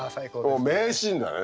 もう名シーンだね。